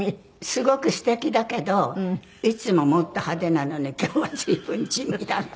すごくすてきだけどいつももっと派手なのに今日は随分地味だな。